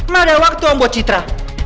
gak ada waktu om buat citra